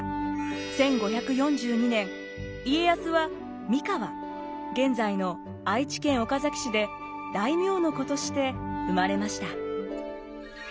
１５４２年家康は三河現在の愛知県岡崎市で大名の子として生まれました。